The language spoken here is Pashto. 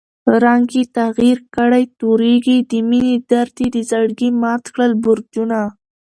رنګ ئې تغير کړی تورېږي، دمېنی درد ئې دزړګي مات کړل برجونه